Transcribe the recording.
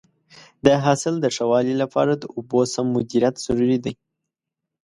د حاصل د ښه والي لپاره د اوبو سم مدیریت ضروري دی.